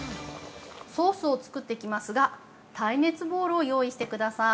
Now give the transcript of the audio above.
◆ソースを作っていきますが、耐熱ボウルを用意してください。